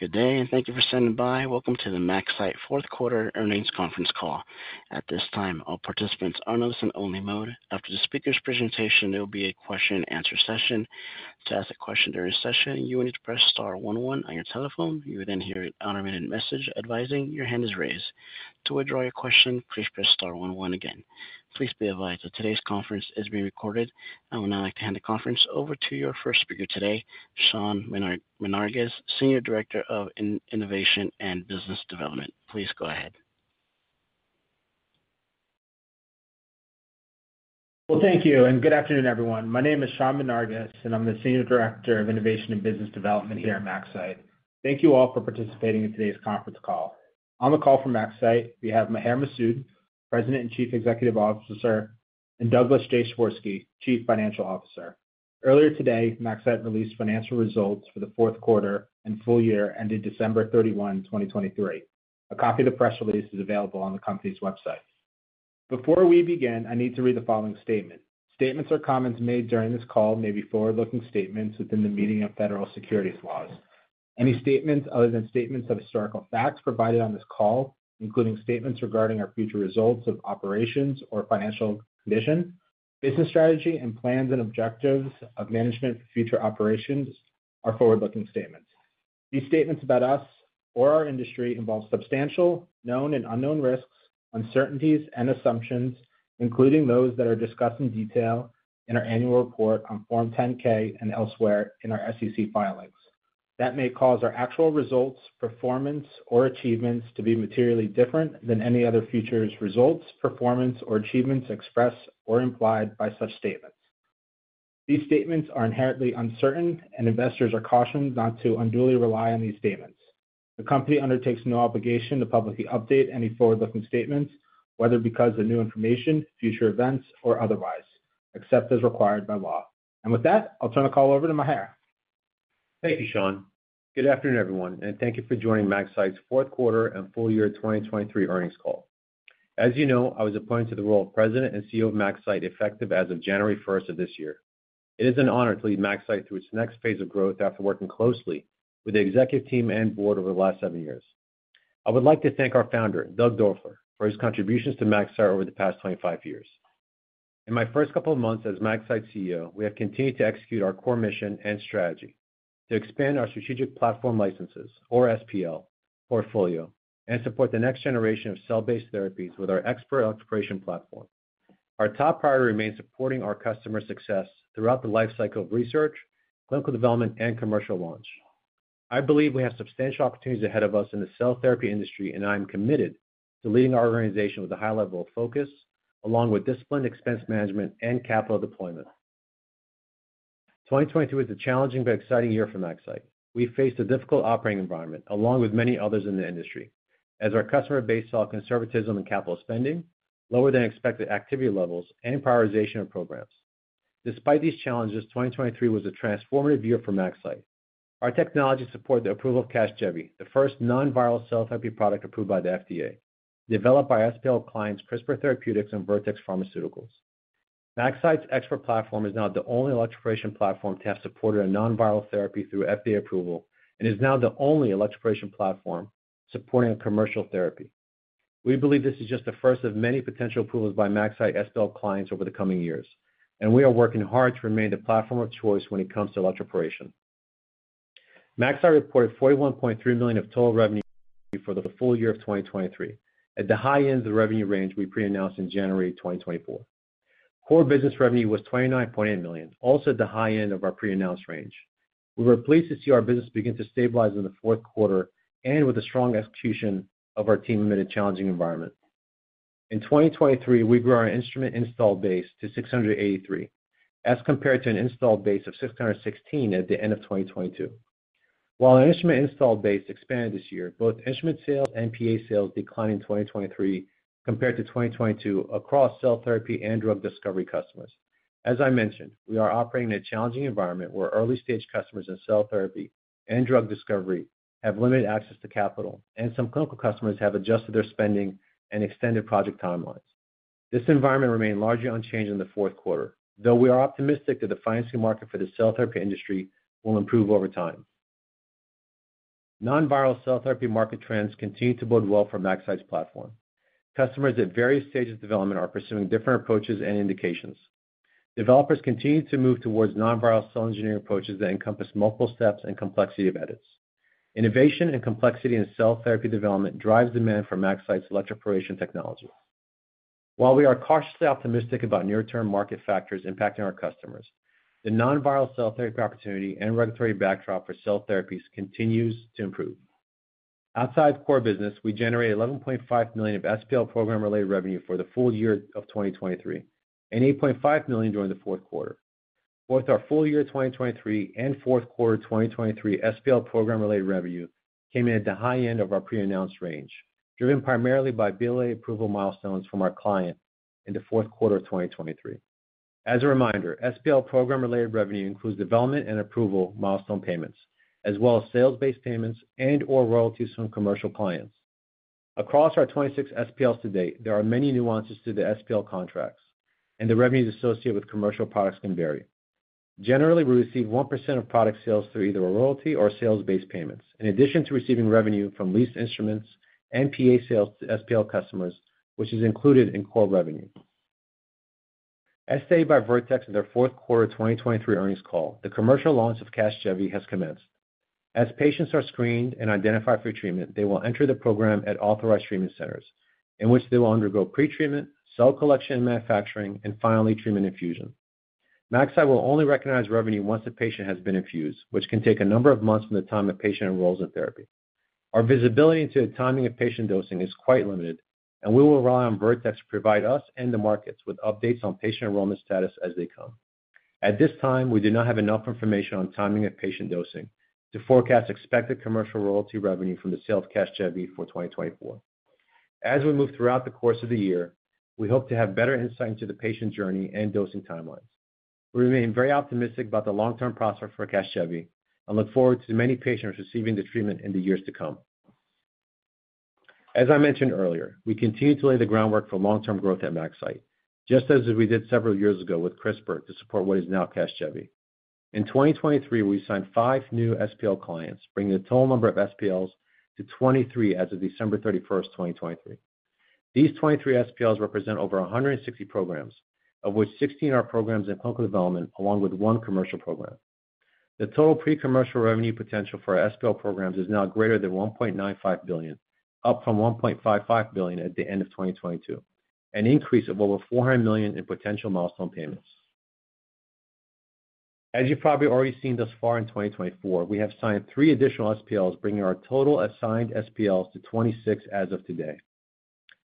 Good day, and thank you for standing by. Welcome to the MaxCyte fourth quarter earnings conference call. At this time, all participants are in listen-only mode. After the speaker's presentation, there will be a question-and-answer session. To ask a question during the session, you will need to press star 11 on your telephone. You will then hear an automated message advising your hand is raised. To withdraw your question, please press star 11 again. Please be advised that today's conference is being recorded, and we'd now like to hand the conference over to your first speaker today, Sean Menarguez, Senior Director of Innovation and Business Development. Please go ahead. Well, thank you, and good afternoon, everyone. My name is Sean Menarguez, and I'm the Senior Director of Innovation and Business Development here at MaxCyte. Thank you all for participating in today's conference call. On the call from MaxCyte, we have Maher Masoud, President and Chief Executive Officer, and Douglas Swirsky, Chief Financial Officer. Earlier today, MaxCyte released financial results for the fourth quarter and full year ending December 31, 2023. A copy of the press release is available on the company's website. Before we begin, I need to read the following statement: Statements or comments made during this call may be forward-looking statements within the meaning of federal securities laws. Any statements other than statements of historical facts provided on this call, including statements regarding our future results of operations or financial condition, business strategy, and plans and objectives of management for future operations, are forward-looking statements. These statements about us or our industry involve substantial, known, and unknown risks, uncertainties, and assumptions, including those that are discussed in detail in our annual report on Form 10-K and elsewhere in our SEC filings. That may cause our actual results, performance, or achievements to be materially different than any other future's results, performance, or achievements expressed or implied by such statements. These statements are inherently uncertain, and investors are cautioned not to unduly rely on these statements. The company undertakes no obligation to publicly update any forward-looking statements, whether because of new information, future events, or otherwise, except as required by law. With that, I'll turn the call over to Maher. Thank you, Sean. Good afternoon, everyone, and thank you for joining MaxCyte's fourth quarter and full year 2023 earnings call. As you know, I was appointed to the role of President and CEO of MaxCyte effective as of January 1st of this year. It is an honor to lead MaxCyte through its next phase of growth after working closely with the executive team and board over the last seven years. I would like to thank our founder, Doug Doerfler, for his contributions to MaxCyte over the past 25 years. In my first couple of months as MaxCyte CEO, we have continued to execute our core mission and strategy: to expand our Strategic Platform Licenses, or SPL, portfolio and support the next generation of cell-based therapies with our ExPERT electroporation platform. Our top priority remains supporting our customer success throughout the lifecycle of research, clinical development, and commercial launch. I believe we have substantial opportunities ahead of us in the cell therapy industry, and I am committed to leading our organization with a high level of focus, along with disciplined expense management and capital deployment. 2023 was a challenging but exciting year for MaxCyte. We faced a difficult operating environment, along with many others in the industry, as our customer base saw conservatism in capital spending, lower-than-expected activity levels, and prioritization of programs. Despite these challenges, 2023 was a transformative year for MaxCyte. Our technology supported the approval of CASGEVY, the first non-viral cell therapy product approved by the FDA, developed by SPL clients CRISPR Therapeutics and Vertex Pharmaceuticals. MaxCyte's ExPERT platform is now the only electroporation platform to have supported a non-viral therapy through FDA approval and is now the only electroporation platform supporting a commercial therapy. We believe this is just the first of many potential approvals by MaxCyte SPL clients over the coming years, and we are working hard to remain the platform of choice when it comes to electroporation. MaxCyte reported $41.3 million of total revenue for the full year of 2023, at the high end of the revenue range we pre-announced in January 2024. Core business revenue was $29.8 million, also at the high end of our pre-announced range. We were pleased to see our business begin to stabilize in the fourth quarter and with a strong execution of our team in an admittedly challenging environment. In 2023, we grew our instrument install base to 683, as compared to an install base of 616 at the end of 2022. While our instrument install base expanded this year, both instrument sales and PA sales declined in 2023 compared to 2022 across cell therapy and drug discovery customers. As I mentioned, we are operating in a challenging environment where early-stage customers in cell therapy and drug discovery have limited access to capital, and some clinical customers have adjusted their spending and extended project timelines. This environment remained largely unchanged in the fourth quarter, though we are optimistic that the financing market for the cell therapy industry will improve over time. Non-viral cell therapy market trends continue to build wealth for MaxCyte's platform. Customers at various stages of development are pursuing different approaches and indications. Developers continue to move towards non-viral cell engineering approaches that encompass multiple steps and complexity of edits. Innovation and complexity in cell therapy development drive demand for MaxCyte's electroporation technology. While we are cautiously optimistic about near-term market factors impacting our customers, the non-viral cell therapy opportunity and regulatory backdrop for cell therapies continues to improve. Outside core business, we generated $11.5 million of SPL program-related revenue for the full year of 2023 and $8.5 million during the fourth quarter. Both our full year 2023 and fourth quarter 2023 SPL program-related revenue came in at the high end of our pre-announced range, driven primarily by BLA approval milestones from our client in the fourth quarter of 2023. As a reminder, SPL program-related revenue includes development and approval milestone payments, as well as sales-based payments and/or royalties from commercial clients. Across our 26 SPLs to date, there are many nuances to the SPL contracts, and the revenues associated with commercial products can vary. Generally, we receive 1% of product sales through either a royalty or sales-based payments, in addition to receiving revenue from leased instruments and PA sales to SPL customers, which is included in core revenue. As stated by Vertex in their fourth quarter 2023 earnings call, the commercial launch of CASGEVY has commenced. As patients are screened and identified for treatment, they will enter the program at authorized treatment centers, in which they will undergo pretreatment, cell collection and manufacturing, and finally treatment infusion. MaxCyte will only recognize revenue once a patient has been infused, which can take a number of months from the time a patient enrolls in therapy. Our visibility into the timing of patient dosing is quite limited, and we will rely on Vertex to provide us and the markets with updates on patient enrollment status as they come. At this time, we do not have enough information on timing of patient dosing to forecast expected commercial royalty revenue from the sale of CASGEVY for 2024. As we move throughout the course of the year, we hope to have better insight into the patient journey and dosing timelines. We remain very optimistic about the long-term prospects for CASGEVY and look forward to many patients receiving the treatment in the years to come. As I mentioned earlier, we continue to lay the groundwork for long-term growth at MaxCyte, just as we did several years ago with CRISPR to support what is now CASGEVY. In 2023, we signed five new SPL clients, bringing the total number of SPLs to 23 as of December 31st, 2023. These 23 SPLs represent over 160 programs, of which 16 are programs in clinical development along with one commercial program. The total pre-commercial revenue potential for our SPL programs is now greater than $1.95 billion, up from $1.55 billion at the end of 2022, an increase of over $400 million in potential milestone payments. As you've probably already seen thus far in 2024, we have signed three additional SPLs, bringing our total assigned SPLs to 26 as of today.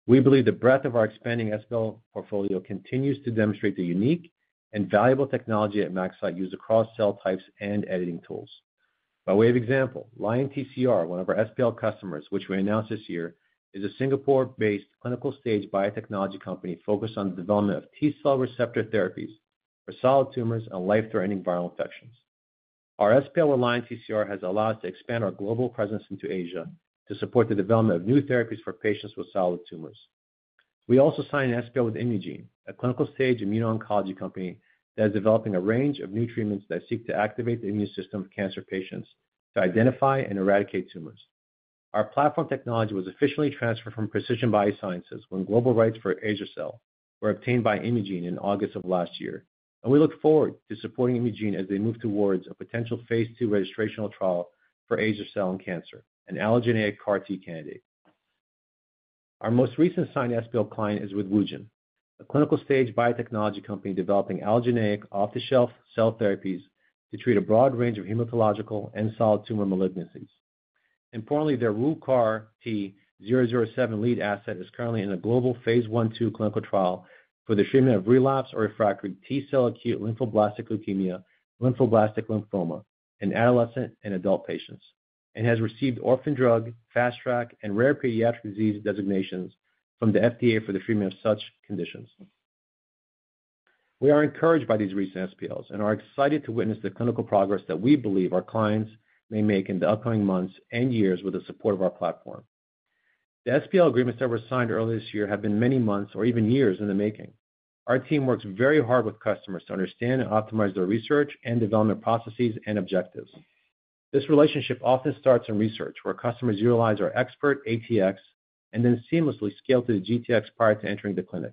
We believe the breadth of our expanding SPL portfolio continues to demonstrate the unique and valuable technology at MaxCyte used across cell types and editing tools. By way of example, Lion TCR, one of our SPL customers, which we announced this year, is a Singapore-based clinical-stage biotechnology company focused on the development of T-cell receptor therapies for solid tumors and life-threatening viral infections. Our SPL with Lion TCR has allowed us to expand our global presence into Asia to support the development of new therapies for patients with solid tumors. We also signed an SPL with Imugene, a clinical-stage immuno-oncology company that is developing a range of new treatments that seek to activate the immune system of cancer patients to identify and eradicate tumors. Our platform technology was officially transferred from Precision BioSciences when global rights for azer-cel were obtained by Imugene in August of last year, and we look forward to supporting Imugene as they move towards a potential phase two registrational trial for azer-cel in cancer, an allogeneic CAR-T candidate. Our most recent signed SPL client is with Wugen, a clinical-stage biotechnology company developing allogeneic off-the-shelf cell therapies to treat a broad range of hematological and solid tumor malignancies. Importantly, their WU-CART-007 lead asset is currently in a global phase 1/2 clinical trial for the treatment of relapsed or refractory T-cell acute lymphoblastic leukemia, lymphoblastic lymphoma, in adolescent and adult patients, and has received orphan drug, fast track, and rare pediatric disease designations from the FDA for the treatment of such conditions. We are encouraged by these recent SPLs and are excited to witness the clinical progress that we believe our clients may make in the upcoming months and years with the support of our platform. The SPL agreements that were signed earlier this year have been many months or even years in the making. Our team works very hard with customers to understand and optimize their research and development processes and objectives. This relationship often starts in research, where customers utilize our ExPERT ATx and then seamlessly scale to the GTx prior to entering the clinic.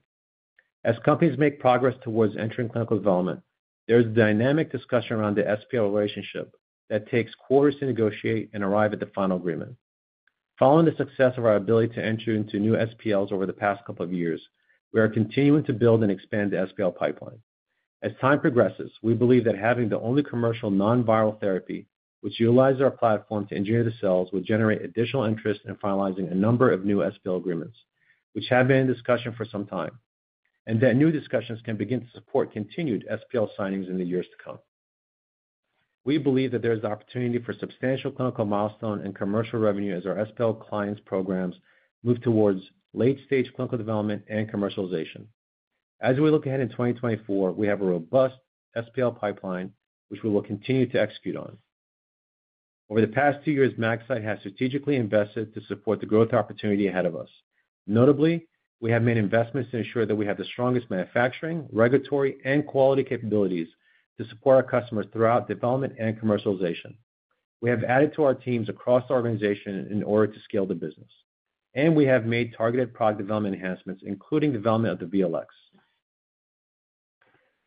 As companies make progress towards entering clinical development, there is a dynamic discussion around the SPL relationship that takes quarters to negotiate and arrive at the final agreement. Following the success of our ability to enter into new SPLs over the past couple of years, we are continuing to build and expand the SPL pipeline. As time progresses, we believe that having the only commercial non-viral therapy which utilizes our platform to engineer the cells would generate additional interest in finalizing a number of new SPL agreements, which have been in discussion for some time, and that new discussions can begin to support continued SPL signings in the years to come. We believe that there is the opportunity for substantial clinical milestone and commercial revenue as our SPL clients' programs move towards late-stage clinical development and commercialization. As we look ahead in 2024, we have a robust SPL pipeline, which we will continue to execute on. Over the past two years, MaxCyte has strategically invested to support the growth opportunity ahead of us. Notably, we have made investments to ensure that we have the strongest manufacturing, regulatory, and quality capabilities to support our customers throughout development and commercialization. We have added to our teams across the organization in order to scale the business, and we have made targeted product development enhancements, including development of the VLx.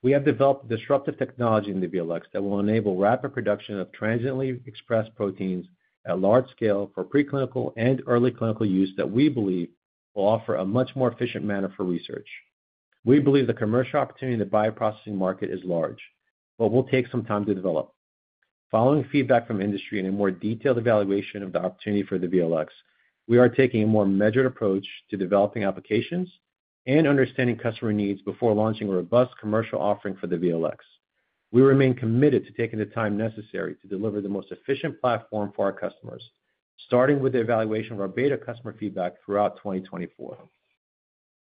We have developed disruptive technology in the VLx that will enable rapid production of transiently expressed proteins at large scale for preclinical and early clinical use that we believe will offer a much more efficient manner for research. We believe the commercial opportunity in the bioprocessing market is large, but will take some time to develop. Following feedback from industry and a more detailed evaluation of the opportunity for the VLx, we are taking a more measured approach to developing applications and understanding customer needs before launching a robust commercial offering for the VLx. We remain committed to taking the time necessary to deliver the most efficient platform for our customers, starting with the evaluation of our beta customer feedback throughout 2024.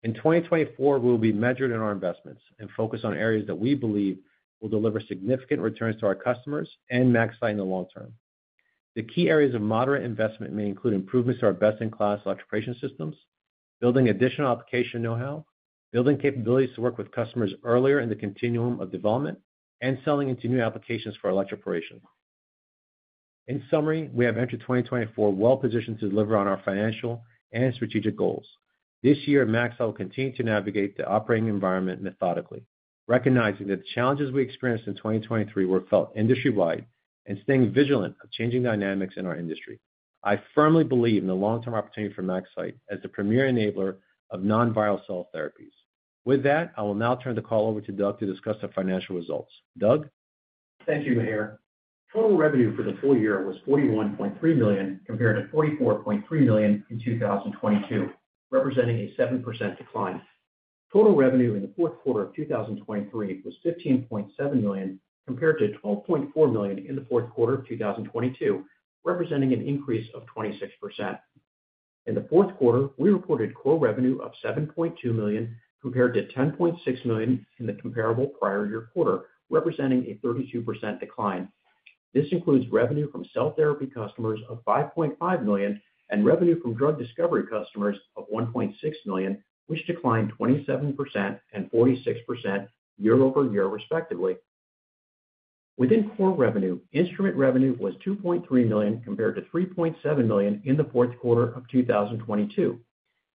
In 2024, we will be measured in our investments and focus on areas that we believe will deliver significant returns to our customers and MaxCyte in the long term. The key areas of moderate investment may include improvements to our best-in-class electroporation systems, building additional application know-how, building capabilities to work with customers earlier in the continuum of development, and selling into new applications for electroporation. In summary, we have entered 2024 well-positioned to deliver on our financial and strategic goals. This year, MaxCyte will continue to navigate the operating environment methodically, recognizing that the challenges we experienced in 2023 were felt industry-wide and staying vigilant of changing dynamics in our industry. I firmly believe in the long-term opportunity for MaxCyte as the premier enabler of non-viral cell therapies. With that, I will now turn the call over to Doug to discuss the financial results. Doug? Thank you, Maher. Total revenue for the full year was $41.3 million compared to $44.3 million in 2022, representing a 7% decline. Total revenue in the fourth quarter of 2023 was $15.7 million compared to $12.4 million in the fourth quarter of 2022, representing an increase of 26%. In the fourth quarter, we reported core revenue of $7.2 million compared to $10.6 million in the comparable prior-year quarter, representing a 32% decline. This includes revenue from cell therapy customers of $5.5 million and revenue from drug discovery customers of $1.6 million, which declined 27% and 46% year over year, respectively. Within core revenue, instrument revenue was $2.3 million compared to $3.7 million in the fourth quarter of 2022.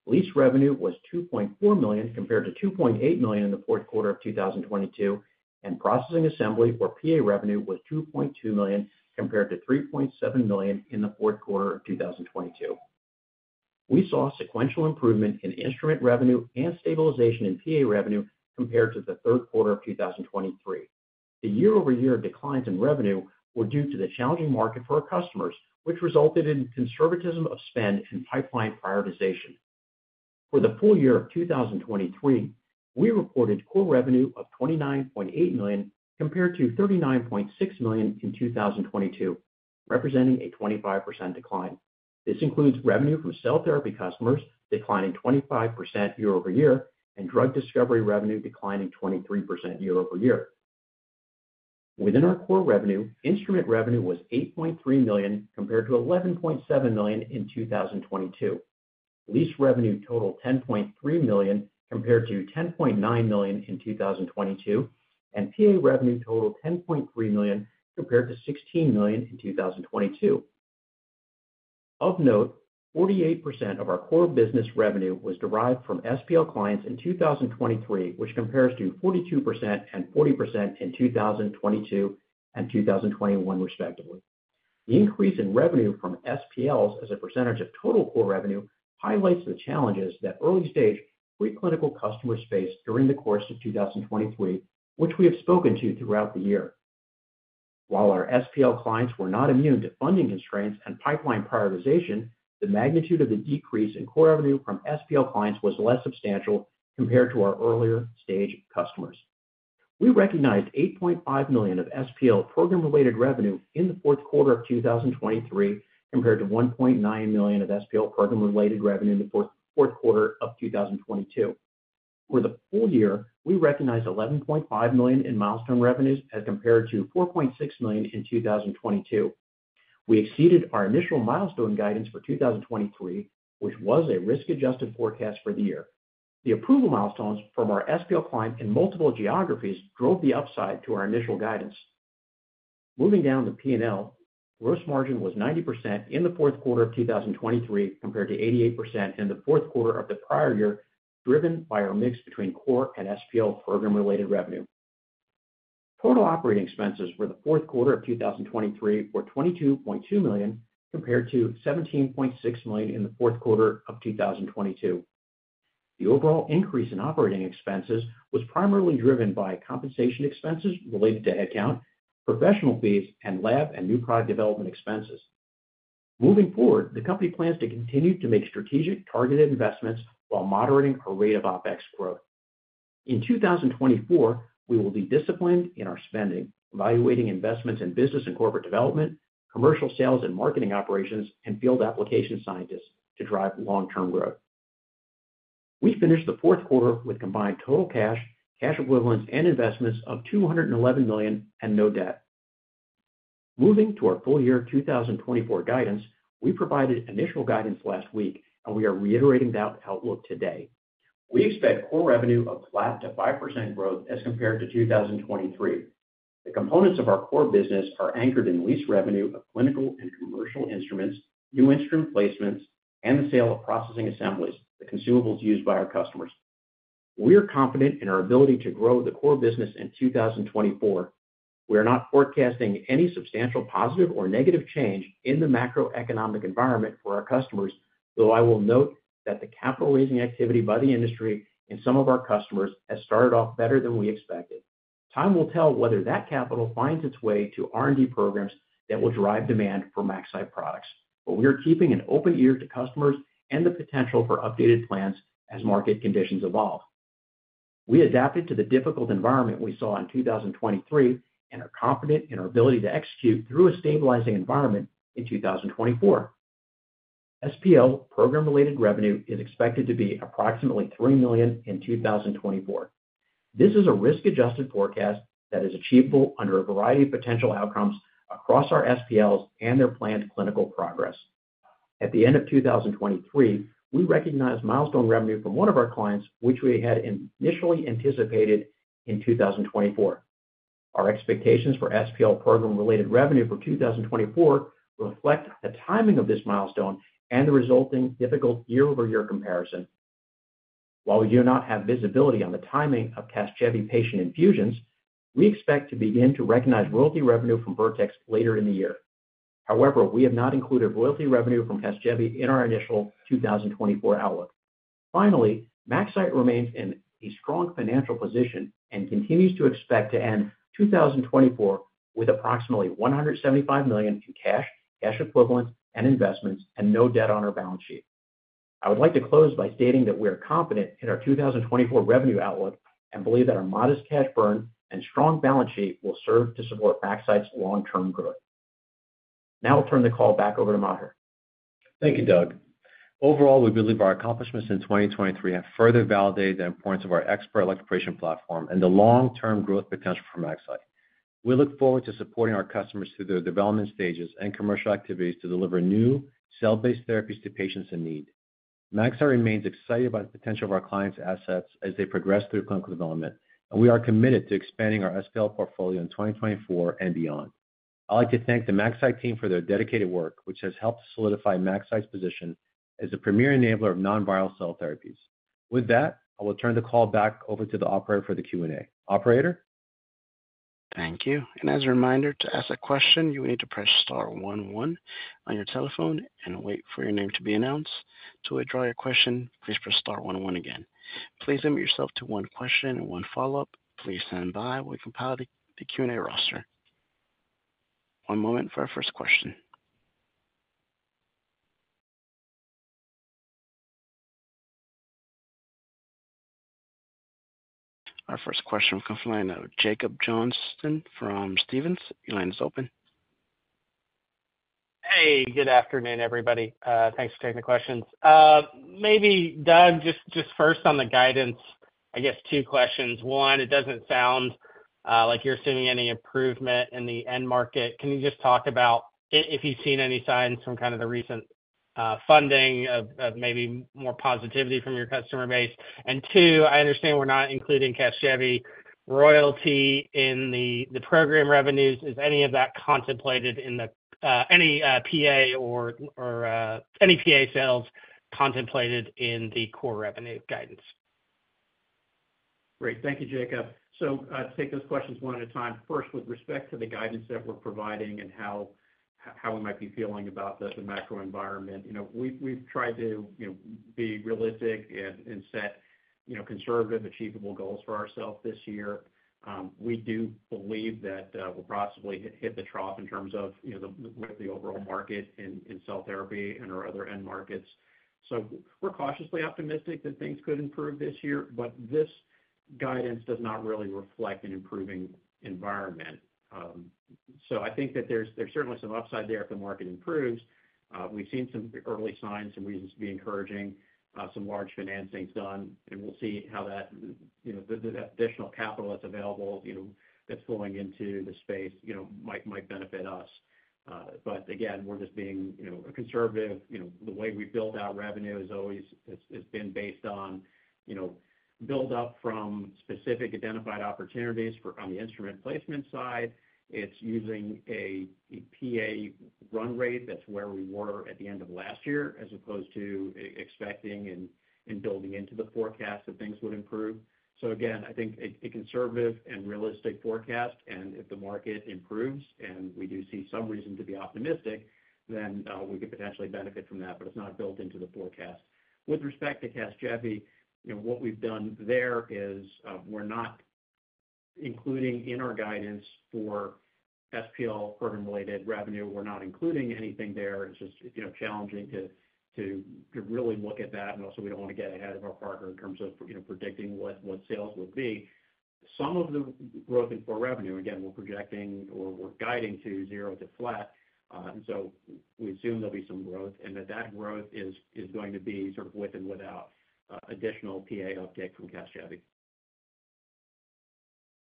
Lease revenue was $2.4 million compared to $2.8 million in the fourth quarter of 2022, and processing assembly or PA revenue was $2.2 million compared to $3.7 million in the fourth quarter of 2022. We saw sequential improvement in instrument revenue and stabilization in PA revenue compared to the third quarter of 2023. The year-over-year declines in revenue were due to the challenging market for our customers, which resulted in conservatism of spend and pipeline prioritization. For the full year of 2023, we reported core revenue of $29.8 million compared to $39.6 million in 2022, representing a 25% decline. This includes revenue from cell therapy customers declining 25% year-over-year and drug discovery revenue declining 23% year-over-year. Within our core revenue, instrument revenue was $8.3 million compared to $11.7 million in 2022. Lease revenue totaled $10.3 million compared to $10.9 million in 2022, and PA revenue totaled $10.3 million compared to $16 million in 2022. Of note, 48% of our core business revenue was derived from SPL clients in 2023, which compares to 42% and 40% in 2022 and 2021, respectively. The increase in revenue from SPLs as a percentage of total core revenue highlights the challenges that early-stage preclinical customers faced during the course of 2023, which we have spoken to throughout the year. While our SPL clients were not immune to funding constraints and pipeline prioritization, the magnitude of the decrease in core revenue from SPL clients was less substantial compared to our earlier-stage customers. We recognized $8.5 million of SPL program-related revenue in the fourth quarter of 2023 compared to $1.9 million of SPL program-related revenue in the fourth quarter of 2022. For the full year, we recognized $11.5 million in milestone revenues as compared to $4.6 million in 2022. We exceeded our initial milestone guidance for 2023, which was a risk-adjusted forecast for the year. The approval milestones from our SPL client in multiple geographies drove the upside to our initial guidance. Moving down the P&L, gross margin was 90% in the fourth quarter of 2023 compared to 88% in the fourth quarter of the prior year, driven by our mix between core and SPL program-related revenue. Total operating expenses for the fourth quarter of 2023 were $22.2 million compared to $17.6 million in the fourth quarter of 2022. The overall increase in operating expenses was primarily driven by compensation expenses related to headcount, professional fees, and lab and new product development expenses. Moving forward, the company plans to continue to make strategic targeted investments while moderating our rate of OpEx growth. In 2024, we will be disciplined in our spending, evaluating investments in business and corporate development, commercial sales and marketing operations, and field application scientists to drive long-term growth. We finished the fourth quarter with combined total cash, cash equivalents, and investments of $211 million and no debt. Moving to our full year 2024 guidance, we provided initial guidance last week, and we are reiterating that outlook today. We expect core revenue of flat to 5% growth as compared to 2023. The components of our core business are anchored in lease revenue of clinical and commercial instruments, new instrument placements, and the sale of processing assemblies, the consumables used by our customers. We are confident in our ability to grow the core business in 2024. We are not forecasting any substantial positive or negative change in the macroeconomic environment for our customers, though I will note that the capital raising activity by the industry and some of our customers has started off better than we expected. Time will tell whether that capital finds its way to R&D programs that will drive demand for MaxCyte products, but we are keeping an open ear to customers and the potential for updated plans as market conditions evolve. We adapted to the difficult environment we saw in 2023 and are confident in our ability to execute through a stabilizing environment in 2024. SPL program-related revenue is expected to be approximately $3 million in 2024. This is a risk-adjusted forecast that is achievable under a variety of potential outcomes across our SPLs and their planned clinical progress. At the end of 2023, we recognized milestone revenue from one of our clients, which we had initially anticipated in 2024. Our expectations for SPL program-related revenue for 2024 reflect the timing of this milestone and the resulting difficult year-over-year comparison. While we do not have visibility on the timing of CASGEVY patient infusions, we expect to begin to recognize royalty revenue from Vertex later in the year. However, we have not included royalty revenue from CASGEVY in our initial 2024 outlook. Finally, MaxCyte remains in a strong financial position and continues to expect to end 2024 with approximately $175 million in cash, cash equivalents, and investments, and no debt on our balance sheet. I would like to close by stating that we are confident in our 2024 revenue outlook and believe that our modest cash burn and strong balance sheet will serve to support MaxCyte's long-term growth. Now I'll turn the call back over to Maher. Thank you, Doug. Overall, we believe our accomplishments in 2023 have further validated the importance of our expert electroporation platform and the long-term growth potential for MaxCyte. We look forward to supporting our customers through their development stages and commercial activities to deliver new cell-based therapies to patients in need. MaxCyte remains excited about the potential of our clients' assets as they progress through clinical development, and we are committed to expanding our SPL portfolio in 2024 and beyond. I'd like to thank the MaxCyte team for their dedicated work, which has helped solidify MaxCyte's position as the premier enabler of non-viral cell therapies. With that, I will turn the call back over to the operator for the Q&A. Operator? Thank you. And as a reminder, to ask a question, you will need to press star 11 on your telephone and wait for your name to be announced. To withdraw your question, please press star 11 again. Please limit yourself to one question and one follow-up. Please stand by while we compile the Q&A roster. One moment for our first question. Our first question from the line of Jacob Johnson from Stephens. Your line is open. Hey, good afternoon, everybody. Thanks for taking the questions. Maybe, Doug, just first on the guidance, I guess, two questions. One, it doesn't sound like you're seeing any improvement in the end market. Can you just talk about if you've seen any signs from kind of the recent funding of maybe more positivity from your customer base? And two, I understand we're not including CASGEVY royalty in the program revenues. Is any of that contemplated in any PA or any PA sales contemplated in the core revenue guidance? Great. Thank you, Jacob. So I'll take those questions one at a time. First, with respect to the guidance that we're providing and how we might be feeling about the macro environment, we've tried to be realistic and set conservative, achievable goals for ourselves this year. We do believe that we'll possibly hit the trough in terms of the overall market in cell therapy and our other end markets. So we're cautiously optimistic that things could improve this year, but this guidance does not really reflect an improving environment. So I think that there's certainly some upside there if the market improves. We've seen some early signs, some reasons to be encouraging, some large financing's done, and we'll see how that additional capital that's available that's flowing into the space might benefit us. But again, we're just being conservative. The way we've built out revenue has always been based on buildup from specific identified opportunities on the instrument placement side. It's using a PA run rate that's where we were at the end of last year as opposed to expecting and building into the forecast that things would improve. So again, I think a conservative and realistic forecast, and if the market improves and we do see some reason to be optimistic, then we could potentially benefit from that, but it's not built into the forecast. With respect to CASGEVY, what we've done there is we're not including in our guidance for SPL program-related revenue. We're not including anything there. It's just challenging to really look at that. And also, we don't want to get ahead of our partner in terms of predicting what sales would be. Some of the growth in core revenue, again, we're projecting or we're guiding to zero to flat. And so we assume there'll be some growth and that that growth is going to be sort of with and without additional PA uptake from CASGEVY.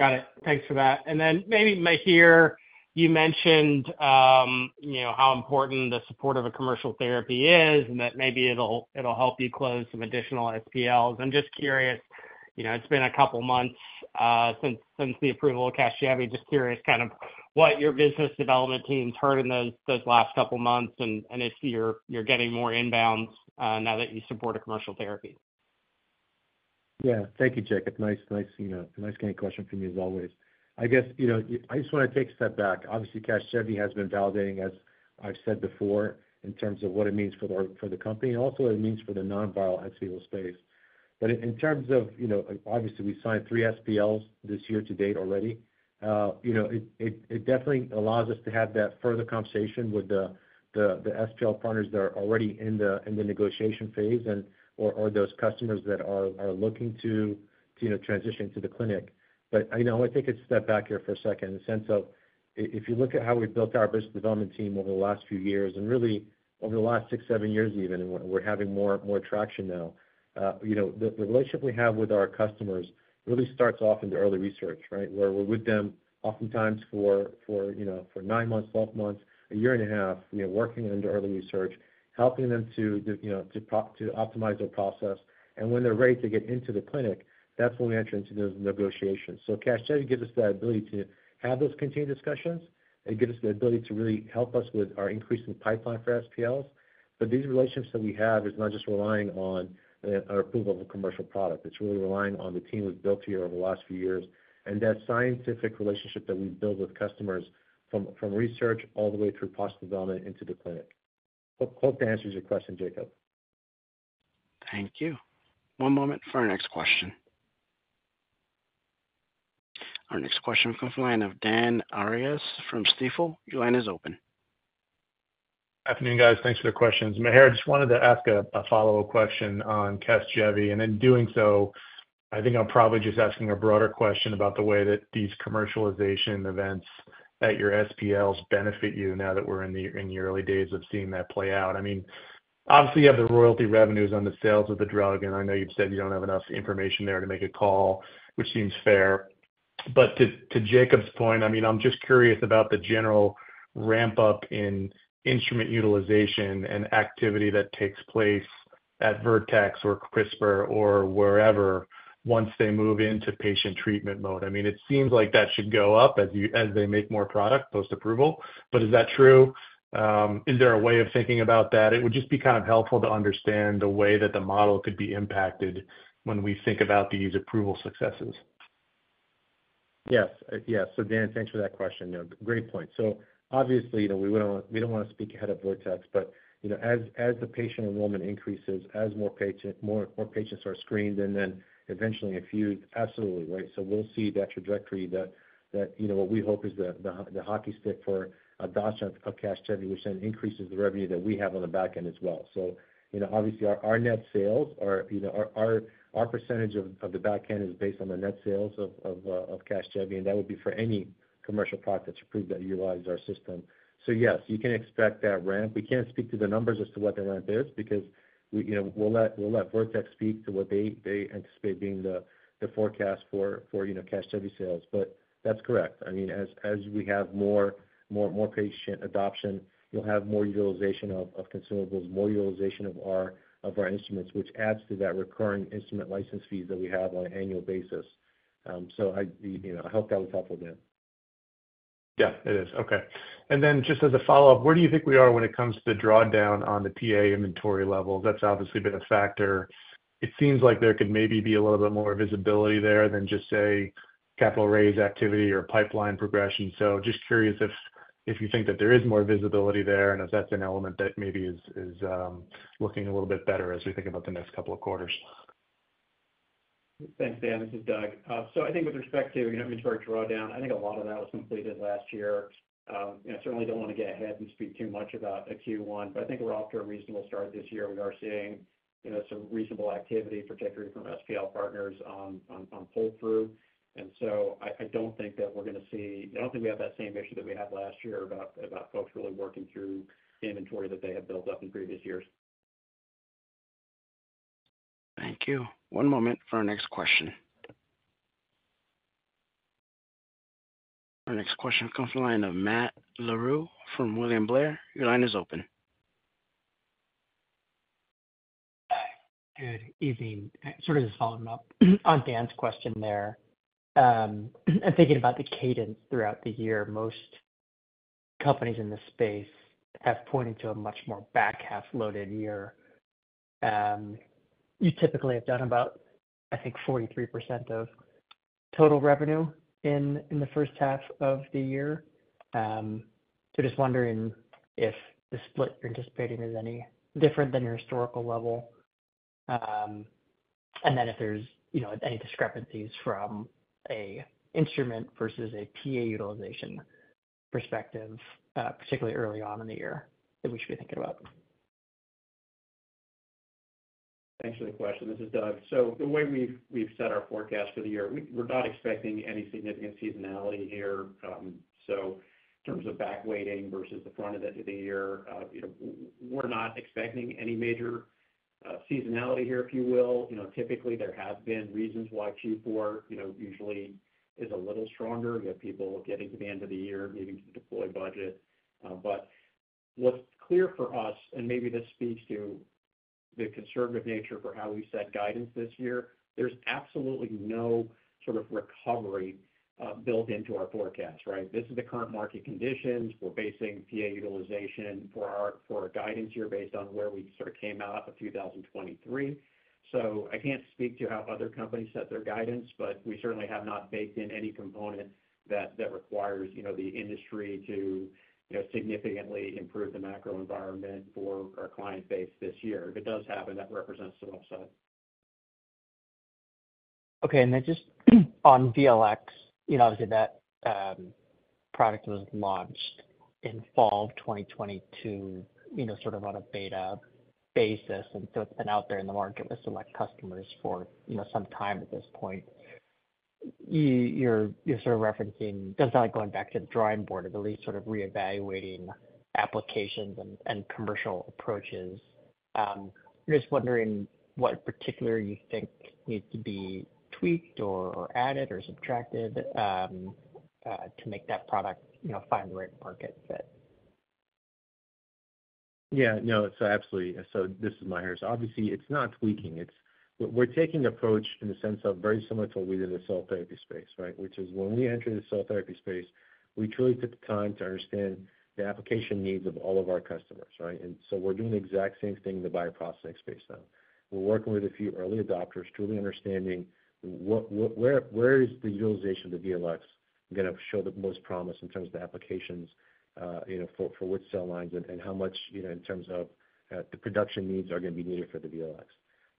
Got it. Thanks for that. And then maybe, Maher, you mentioned how important the support of a commercial therapy is and that maybe it'll help you close some additional SPLs. I'm just curious. It's been a couple of months since the approval of CASGEVY. Just curious kind of what your business development team's heard in those last couple of months and if you're getting more inbounds now that you support a commercial therapy. Yeah. Thank you, Jacob. Nice getting a question from you as always. I guess I just want to take a step back. Obviously, CASGEVY has been validating, as I've said before, in terms of what it means for the company and also what it means for the non-viral ex vivo space. But in terms of obviously, we signed three SPLs this year to date already. It definitely allows us to have that further conversation with the SPL partners that are already in the negotiation phase or those customers that are looking to transition to the clinic. But I want to take a step back here for a second in the sense of if you look at how we've built our business development team over the last few years and really over the last six, seven years even, and we're having more traction now, the relationship we have with our customers really starts off in the early research, right, where we're with them oftentimes for nine months, 12 months, a year and a half, working under early research, helping them to optimize their process. And when they're ready to get into the clinic, that's when we enter into those negotiations. So CASGEVY gives us the ability to have those continued discussions. It gives us the ability to really help us with our increase in the pipeline for SPLs. But these relationships that we have are not just relying on our approval of a commercial product. It's really relying on the team we've built here over the last few years and that scientific relationship that we build with customers from research all the way through process development into the clinic. Hope that answers your question, Jacob. Thank you. One moment for our next question. Our next question comes from the line of Dan Arias from Stifel. Your line is open. Afternoon, guys. Thanks for the questions. Maher, I just wanted to ask a follow-up question on CASGEVY. And in doing so, I think I'm probably just asking a broader question about the way that these commercialization events at your SPLs benefit you now that we're in the early days of seeing that play out. I mean, obviously, you have the royalty revenues on the sales of the drug, and I know you've said you don't have enough information there to make a call, which seems fair. But to Jacob's point, I mean, I'm just curious about the general ramp-up in instrument utilization and activity that takes place at Vertex or CRISPR or wherever once they move into patient treatment mode. I mean, it seems like that should go up as they make more product post-approval. But is that true? Is there a way of thinking about that? It would just be kind of helpful to understand the way that the model could be impacted when we think about these approval successes. Yes. Yes. So, Dan, thanks for that question. Great point. So obviously, we don't want to speak ahead of Vertex, but as the patient enrollment increases, as more patients are screened and then eventually infused, absolutely, right? So we'll see that trajectory. What we hope is the hockey stick for a dash of CASGEVY, which then increases the revenue that we have on the back end as well. So obviously, our net sales are our percentage of the back end is based on the net sales of CASGEVY, and that would be for any commercial product that's approved that utilizes our system. So yes, you can expect that ramp. We can't speak to the numbers as to what the ramp is because we'll let Vertex speak to what they anticipate being the forecast for CASGEVY sales. But that's correct. I mean, as we have more patient adoption, you'll have more utilization of consumables, more utilization of our instruments, which adds to that recurring instrument license fees that we have on an annual basis. So I hope that was helpful, Dan. Yeah, it is. Okay. And then just as a follow-up, where do you think we are when it comes to the drawdown on the PA inventory levels? That's obviously been a factor. It seems like there could maybe be a little bit more visibility there than just, say, capital raise activity or pipeline progression. So just curious if you think that there is more visibility there and if that's an element that maybe is looking a little bit better as we think about the next couple of quarters. Thanks, Dan. This is Doug. So I think with respect to inventory drawdown, I think a lot of that was completed last year. I certainly don't want to get ahead and speak too much about Q1, but I think we're off to a reasonable start this year. We are seeing some reasonable activity, particularly from SPL partners on pull-through. And so I don't think that we're going to see. I don't think we have that same issue that we had last year about folks really working through inventory that they have built up in previous years. Thank you. One moment for our next question. Our next question comes from the line of Matt Larew from William Blair. Your line is open. Good evening. Sort of just following up on Dan's question there. I'm thinking about the cadence throughout the year. Most companies in the space have pointed to a much more back-half-loaded year. You typically have done about, I think, 43% of total revenue in the first half of the year. So just wondering if the split you're anticipating is any different than your historical level and then if there's any discrepancies from an instrument versus a PA utilization perspective, particularly early on in the year, that we should be thinking about. Thanks for the question. This is Doug. So the way we've set our forecast for the year, we're not expecting any significant seasonality here. So in terms of back-weighting versus the front end of the year, we're not expecting any major seasonality here, if you will. Typically, there have been reasons why Q4 usually is a little stronger. You have people getting to the end of the year, needing to deploy budget. But what's clear for us, and maybe this speaks to the conservative nature for how we set guidance this year, there's absolutely no sort of recovery built into our forecast, right? This is the current market conditions. We're basing PA utilization for our guidance here based on where we sort of came out of 2023. I can't speak to how other companies set their guidance, but we certainly have not baked in any component that requires the industry to significantly improve the macro environment for our client base this year. If it does happen, that represents some upside. Okay. And then just on VLx, obviously, that product was launched in fall of 2022 sort of on a beta basis. So it's been out there in the market with select customers for some time at this point. You're sort of referencing it does sound like going back to the drawing board of at least sort of reevaluating applications and commercial approaches. I'm just wondering what in particular you think needs to be tweaked or added or subtracted to make that product find the right market fit. Yeah. No. So absolutely. So this is Maher. So obviously, it's not tweaking. We're taking an approach in the sense of very similar to what we did in the cell therapy space, right, which is when we entered the cell therapy space, we truly took the time to understand the application needs of all of our customers, right? And so we're doing the exact same thing in the bioprocessing space now. We're working with a few early adopters, truly understanding where is the utilization of the VLX going to show the most promise in terms of the applications for which cell lines and how much in terms of the production needs are going to be needed for the VLX.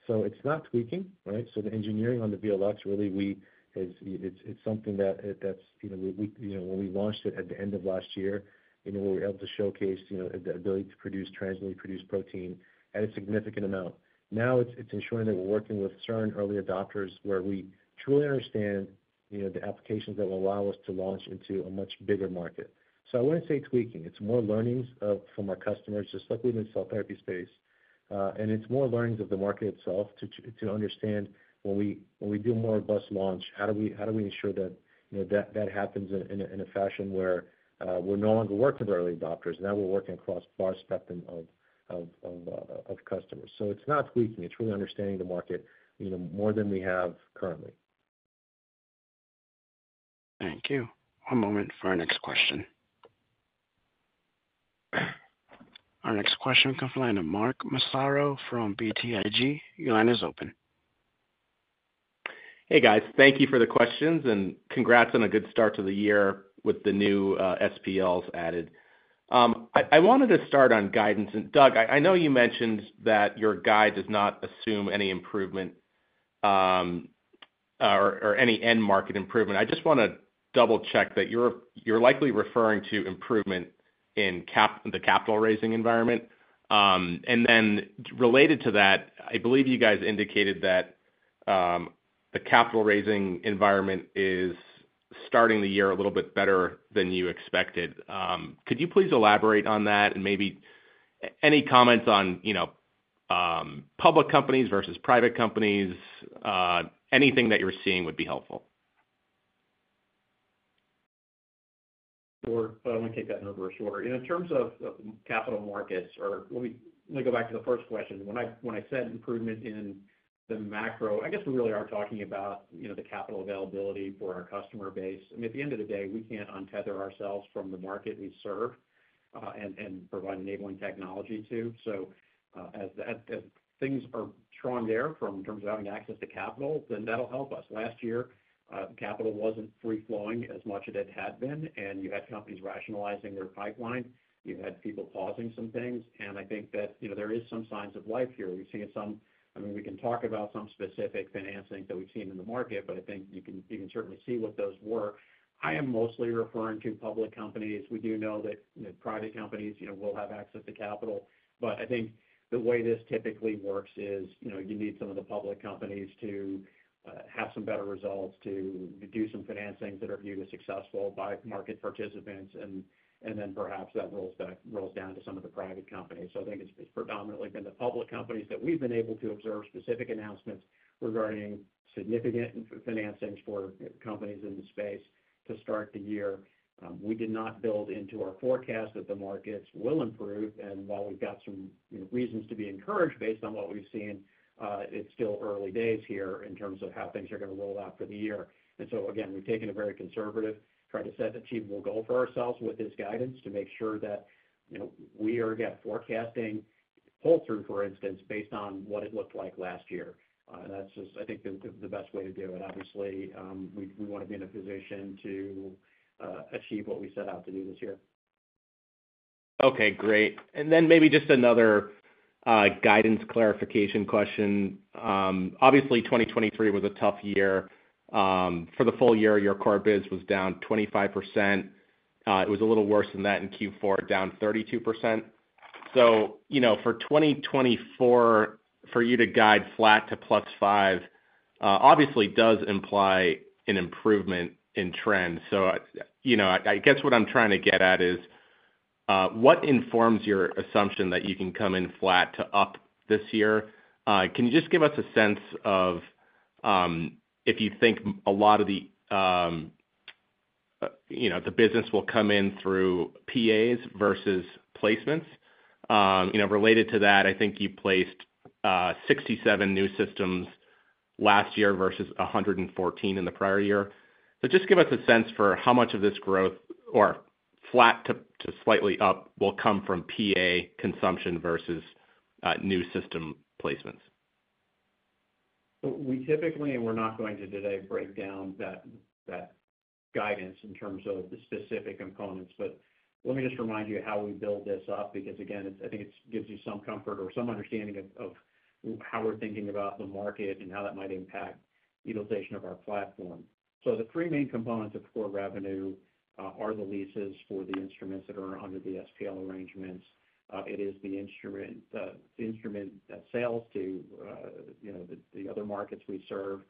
So it's not tweaking, right? So the engineering on the VLx, really, it's something that's when we launched it at the end of last year, we were able to showcase the ability to transiently produce protein at a significant amount. Now, it's ensuring that we're working with certain early adopters where we truly understand the applications that will allow us to launch into a much bigger market. So I wouldn't say tweaking. It's more learnings from our customers, just like we did in the cell therapy space. And it's more learnings of the market itself to understand when we do a more robust launch, how do we ensure that that happens in a fashion where we're no longer working with early adopters. Now, we're working across the broad spectrum of customers. So it's not tweaking. It's really understanding the market more than we have currently. Thank you. One moment for our next question. Our next question comes from the line of Mark Massaro from BTIG. Your line is open. Hey, guys. Thank you for the questions and congrats on a good start to the year with the new SPLs added. I wanted to start on guidance. Doug, I know you mentioned that your guide does not assume any improvement or any end-market improvement. I just want to double-check that you're likely referring to improvement in the capital raising environment. Then related to that, I believe you guys indicated that the capital raising environment is starting the year a little bit better than you expected. Could you please elaborate on that and maybe any comments on public companies versus private companies? Anything that you're seeing would be helpful. Sure. I want to take that in reverse order. In terms of capital markets, or let me go back to the first question. When I said improvement in the macro, I guess we really are talking about the capital availability for our customer base. I mean, at the end of the day, we can't untether ourselves from the market we serve and provide enabling technology to. So as things are strong there in terms of having access to capital, then that'll help us. Last year, capital wasn't free-flowing as much as it had been, and you had companies rationalizing their pipeline. You had people pausing some things. And I think that there are some signs of life here. We've seen some. I mean, we can talk about some specific financing that we've seen in the market, but I think you can certainly see what those were. I am mostly referring to public companies. We do know that private companies will have access to capital. I think the way this typically works is you need some of the public companies to have some better results, to do some financings that are viewed as successful by market participants, and then perhaps that rolls down to some of the private companies. I think it's predominantly been the public companies that we've been able to observe specific announcements regarding significant financings for companies in the space to start the year. We did not build into our forecast that the markets will improve. While we've got some reasons to be encouraged based on what we've seen, it's still early days here in terms of how things are going to roll out for the year. So again, we've taken a very conservative, tried to set an achievable goal for ourselves with this guidance to make sure that we are forecasting pull-through, for instance, based on what it looked like last year. And that's just, I think, the best way to do it. Obviously, we want to be in a position to achieve what we set out to do this year. Okay. Great. And then maybe just another guidance clarification question. Obviously, 2023 was a tough year. For the full year, your core biz was down 25%. It was a little worse than that in Q4, down 32%. So for 2024, for you to guide flat to +5% obviously does imply an improvement in trend. So I guess what I'm trying to get at is what informs your assumption that you can come in flat to up this year? Can you just give us a sense of if you think a lot of the business will come in through PAs versus placements? Related to that, I think you placed 67 new systems last year versus 114 in the prior year. So just give us a sense for how much of this growth or flat to slightly up will come from PA consumption versus new system placements. We typically, and we're not going to today, break down that guidance in terms of the specific components. Let me just remind you how we build this up because, again, I think it gives you some comfort or some understanding of how we're thinking about the market and how that might impact utilization of our platform. The three main components of core revenue are the leases for the instruments that are under the SPL arrangements. It is the instrument sales to the other markets we serve.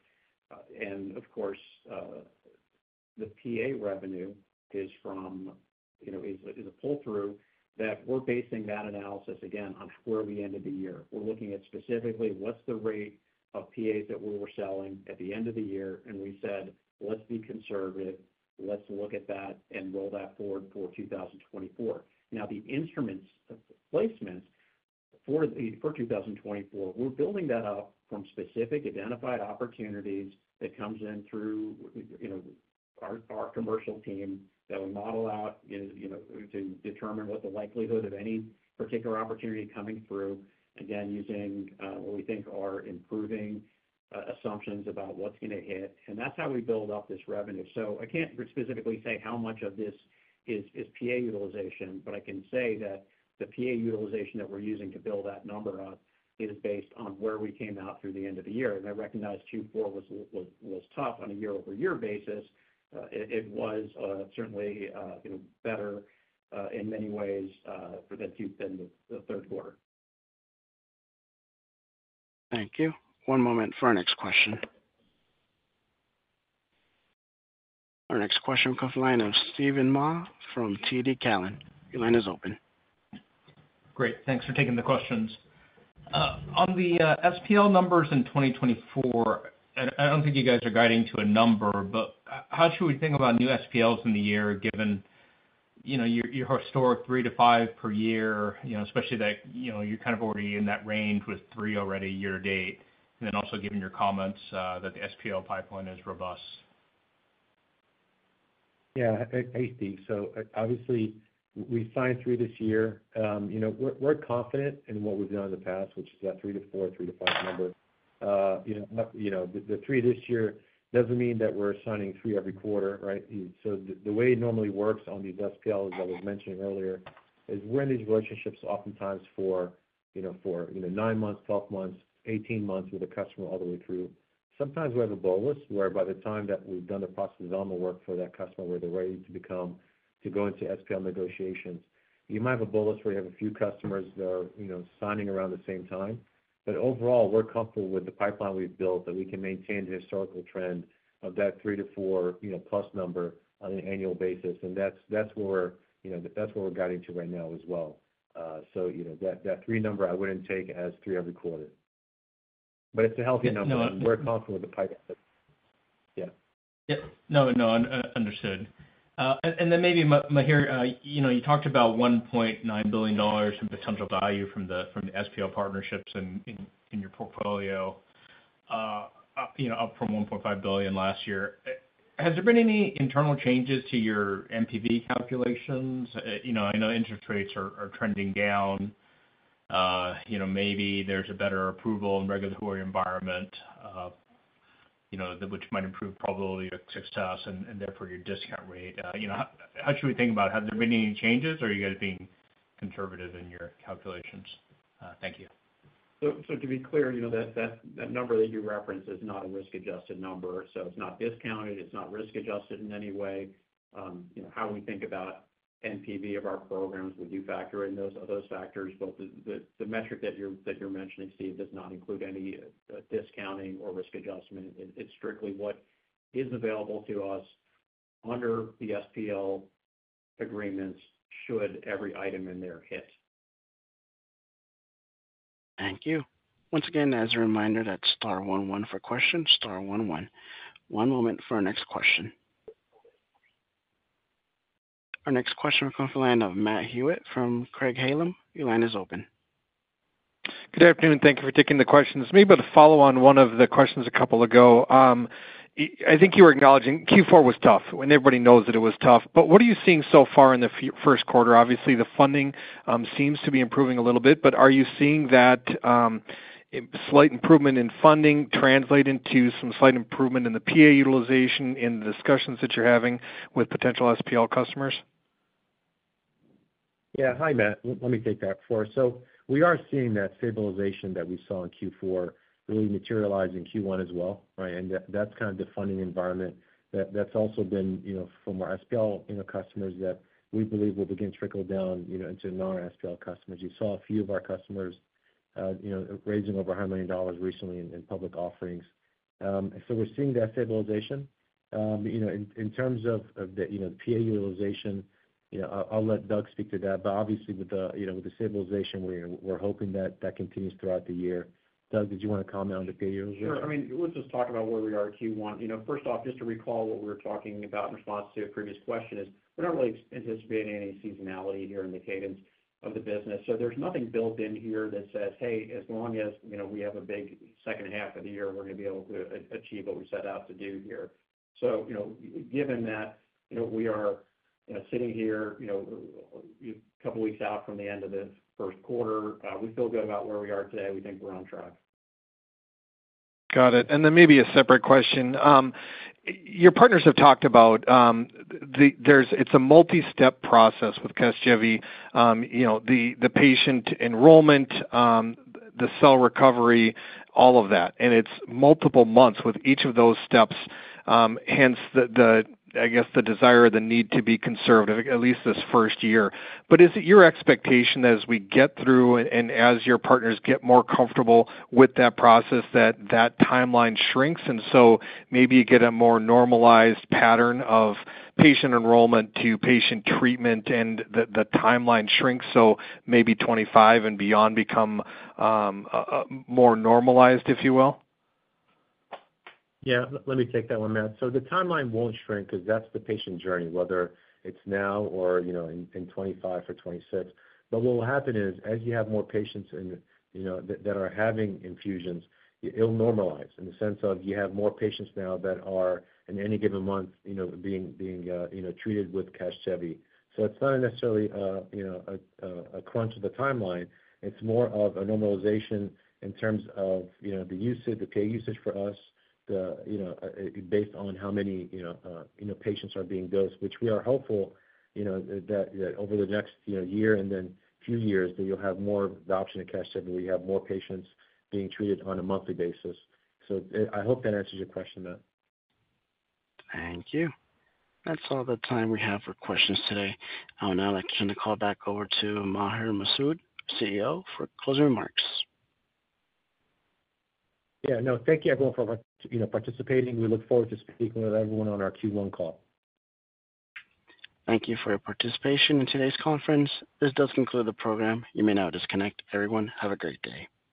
Of course, the PA revenue is a pull-through that we're basing that analysis, again, on where we ended the year. We're looking at specifically what's the rate of PAs that we were selling at the end of the year. We said, "Let's be conservative. Let's look at that and roll that forward for 2024." Now, the instruments placements for 2024, we're building that up from specific identified opportunities that comes in through our commercial team that we model out to determine what the likelihood of any particular opportunity coming through, again, using what we think are improving assumptions about what's going to hit. And that's how we build up this revenue. So I can't specifically say how much of this is PA utilization, but I can say that the PA utilization that we're using to build that number up is based on where we came out through the end of the year. And I recognize Q4 was tough on a year-over-year basis. It was certainly better in many ways than the third quarter. Thank you. One moment for our next question. Our next question comes from the line of Steven Mah from TD Cowen. Your line is open. Great. Thanks for taking the questions. On the SPL numbers in 2024, I don't think you guys are guiding to a number, but how should we think about new SPLs in the year given your historic three to five per year, especially that you're kind of already in that range with three already year to date? And then also, given your comments that the SPL pipeline is robust. Yeah. Hey, Steve. So obviously, we signed three this year. We're confident in what we've done in the past, which is that three to four, three to five number. The three this year doesn't mean that we're assigning three every quarter, right? So the way it normally works on these SPLs that I was mentioning earlier is we're in these relationships oftentimes for nine months, 12 months, 18 months with a customer all the way through. Sometimes we have a bolus where by the time that we've done the processes on the work for that customer where they're ready to go into SPL negotiations, you might have a bolus where you have a few customers that are signing around the same time. But overall, we're comfortable with the pipeline we've built that we can maintain the historical trend of that 3-4+ number on an annual basis. That's where we're guiding to right now as well. That three number, I wouldn't take as three every quarter. It's a healthy number, and we're comfortable with the pipeline. Yeah. Yep. No, no. Understood. And then maybe, Maher, you talked about $1.9 billion in potential value from the SPL partnerships in your portfolio up from $1.5 billion last year. Has there been any internal changes to your NPV calculations? I know interest rates are trending down. Maybe there's a better approval and regulatory environment, which might improve probability of success and therefore your discount rate. How should we think about it? Have there been any changes, or are you guys being conservative in your calculations? Thank you. So to be clear, that number that you referenced is not a risk-adjusted number. So it's not discounted. It's not risk-adjusted in any way. How we think about NPV of our programs, we do factor in those factors. But the metric that you're mentioning, Steve, does not include any discounting or risk adjustment. It's strictly what is available to us under the SPL agreements should every item in there hit. Thank you. Once again, as a reminder, that's star one one for questions. Star one one. One moment for our next question. Our next question comes from the line of Matt Hewitt from Craig-Hallum. Your line is open. Good afternoon. Thank you for taking the questions. Maybe I want to follow on one of the questions a couple ago. I think you were acknowledging Q4 was tough and everybody knows that it was tough. But what are you seeing so far in the first quarter? Obviously, the funding seems to be improving a little bit, but are you seeing that slight improvement in funding translate into some slight improvement in the PA utilization in the discussions that you're having with potential SPL customers? Yeah. Hi, Matt. Let me take that before. So we are seeing that stabilization that we saw in Q4 really materialize in Q1 as well, right? And that's kind of the funding environment that's also been from our SPL customers that we believe will begin to trickle down into non-SPL customers. You saw a few of our customers raising over $100 million recently in public offerings. So we're seeing that stabilization. In terms of the PA utilization, I'll let Doug speak to that. But obviously, with the stabilization, we're hoping that continues throughout the year. Doug, did you want to comment on the PA utilization? Sure. I mean, let's just talk about where we are in Q1. First off, just to recall what we were talking about in response to a previous question is we're not really anticipating any seasonality here in the cadence of the business. So there's nothing built in here that says, "Hey, as long as we have a big second half of the year, we're going to be able to achieve what we set out to do here." So given that we are sitting here a couple of weeks out from the end of the first quarter, we feel good about where we are today. We think we're on track. Got it. And then maybe a separate question. Your partners have talked about it's a multi-step process with CASGEVY. The patient enrollment, the cell recovery, all of that. And it's multiple months with each of those steps. Hence, I guess the desire or the need to be conservative, at least this first year. But is it your expectation that as we get through and as your partners get more comfortable with that process, that that timeline shrinks? And so maybe you get a more normalized pattern of patient enrollment to patient treatment and the timeline shrinks. So maybe 2025 and beyond become more normalized, if you will? Yeah. Let me take that one, Matt. So the timeline won't shrink because that's the patient journey, whether it's now or in 2025 or 2026. But what will happen is as you have more patients that are having infusions, it'll normalize in the sense of you have more patients now that are in any given month being treated with CASGEVY. So it's not necessarily a crunch of the timeline. It's more of a normalization in terms of the usage, the PA usage for us, based on how many patients are being dosed, which we are hopeful that over the next year and then few years, that you'll have more of the option of CASGEVY. We have more patients being treated on a monthly basis. So I hope that answers your question, Matt. Thank you. That's all the time we have for questions today. I'll now turn the call back over to Maher Masoud, CEO, for closing remarks. Yeah. No. Thank you everyone for participating. We look forward to speaking with everyone on our Q1 call. Thank you for your participation in today's conference. This does conclude the program. You may now disconnect. Everyone, have a great day.